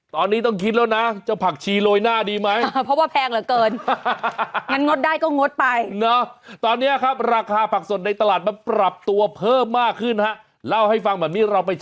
ตอนนี้ต้องคิดแล้วนะเจ้าผักชีโรยหน้าดีไหม